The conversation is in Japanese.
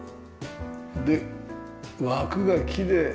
で枠がきれい。